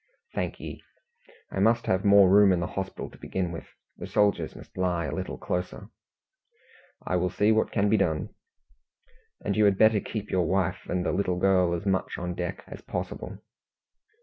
"Thank ye. I must have more room in the hospital to begin with. The soldiers must lie a little closer." "I will see what can be done." "And you had better keep your wife and the little girl as much on deck as possible."